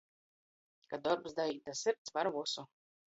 Ka dorbs daīt da sirds, var vysu.